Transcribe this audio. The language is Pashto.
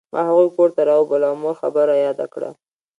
ما هغوی کور ته راوبلل او مور خبره یاده کړه